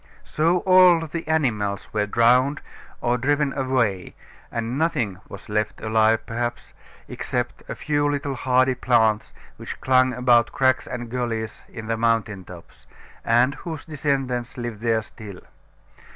So all the animals were drowned or driven away, and nothing was left alive perhaps, except a few little hardy plants which clung about cracks and gullies in the mountain tops; and whose descendants live there still.